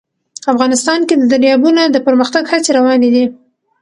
افغانستان کې د دریابونه د پرمختګ هڅې روانې دي.